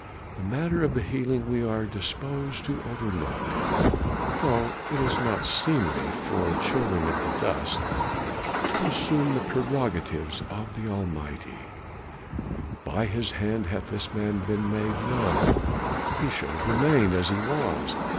"The matter of the healing we are disposed to overlook, though it is not seemly for children of dust to assume the prerogatives of the Almighty; by his hand hath this man been laid low, he should have remained as he was.